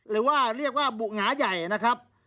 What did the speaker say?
หรือว่าเรียกว่าบุหงาใหญ่นะครับ